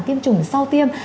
tiêm chủng sau tiêm